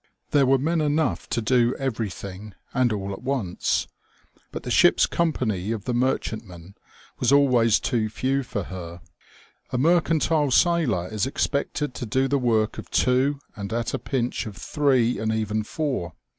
There were men enough to do every thing, and all at once ; but the ship's comj)any of the merchantman was always too few for her. A mercantile sailor is expected to do the work of two, and at a pinch of three, and even four.